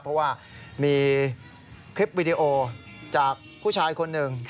เพราะว่ามีคลิปวิดีโอจากผู้ชายคนหนึ่ง